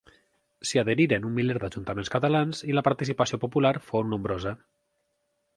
S'hi adheriren un miler d'ajuntaments catalans i la participació popular fou nombrosa.